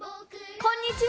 こんにちは！